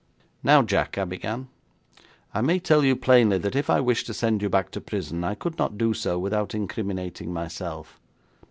'Now, Jack,' I began, 'I may tell you plainly that if I wished to send you back to prison, I could not do so without incriminating myself.